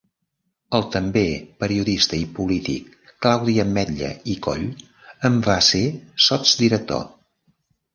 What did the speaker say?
El també periodista i polític Claudi Ametlla i Coll en va ser sotsdirector.